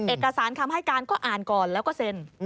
เอกสารคำให้การก็อ่านก่อนแล้วก็เซ็น